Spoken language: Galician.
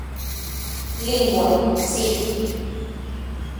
Lingua, si.